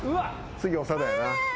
次長田やな。